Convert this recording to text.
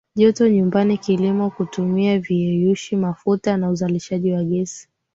joto nyumbani kilimo kutumia viyeyushi mafuta na uzalishaji wa ges